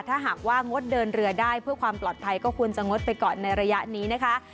ถ้าหากว่างดเดินเรือได้เพื่อความปลอดภัยก็ควรจะงดไปก่อนในระยะนี้นะคะ